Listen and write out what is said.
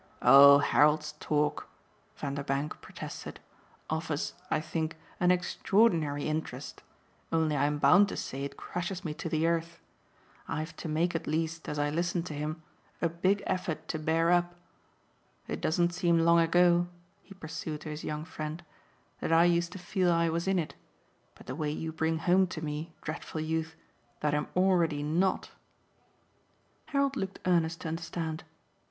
"Oh Harold's talk," Vanderbank protested, "offers, I think, an extraordinary interest; only I'm bound to say it crushes me to the earth. I've to make at least, as I listen to him, a big effort to bear up. It doesn't seem long ago," he pursued to his young friend, "that I used to feel I was in it; but the way you bring home to me, dreadful youth, that I'm already NOT !" Harold looked earnest to understand.